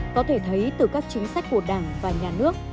có thể thấy từ các chính sách của đảng và nhà nước